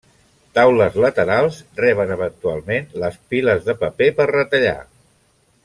Taules laterals reben eventualment les piles de paper per retallar.